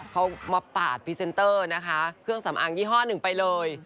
เขามาปาดพรีเซนเตอร์นะคะเครื่องสำอางยี่ห้อหนึ่งไปเลย